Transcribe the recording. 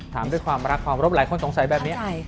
ถามด้วยความรักความรบหลายคนสงสัยแบบนี้